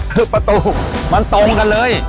คือประตูมันตรงกันเลย